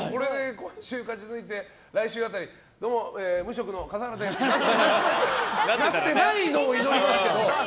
今週勝ち抜いて来週辺りどうも、無職の笠原ですってなってないのを祈りますけど。